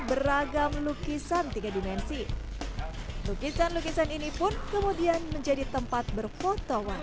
beragam lukisan tiga dimensi lukisan lukisan ini pun kemudian menjadi tempat berfoto warna